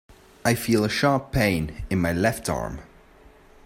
I feel a sharp pain in my left arm.